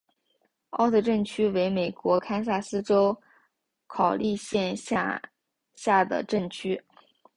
奥特镇区为美国堪萨斯州考利县辖下的镇区。